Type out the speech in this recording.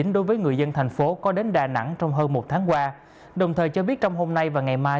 đối với người dân thành phố có đến đà nẵng trong hơn một tháng qua đồng thời cho biết trong hôm nay và ngày mai